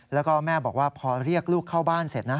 แล้วก็แม่บอกว่าพอเรียกลูกเข้าบ้านเสร็จนะ